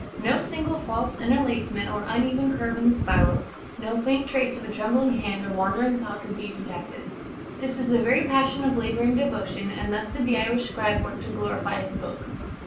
No single false interlacement or uneven curve in the spirals, no faint trace of a trembling hand or wandering thought can be detected. This is the very passion of labour and devotion, and thus did the Irish scribe work to glorify his book."